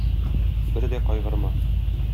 Бер дә кайгырма.